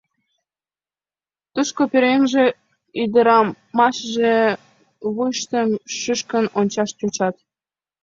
Тушко пӧръеҥже, ӱдырамашыже вуйыштым шӱшкын ончаш тӧчат.